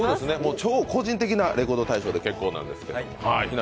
超個人的な「レコード大賞」で結構なんですけど。